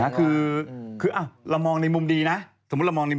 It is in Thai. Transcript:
คือเรามองในมุมดีแล้วเป็นยังไง